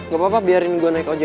gak apa apa biarin gue naik aja